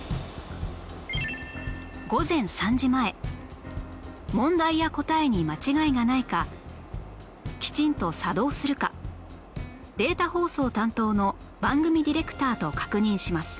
午前３時前問題や答えに間違いがないかきちんと作動するかデータ放送担当の番組ディレクターと確認します